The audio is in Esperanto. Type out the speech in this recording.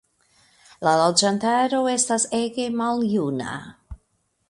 La loĝantaro estas ege maljuna.